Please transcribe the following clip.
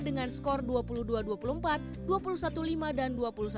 dengan skor dua puluh dua dua puluh empat dua puluh satu lima dan dua puluh satu enam belas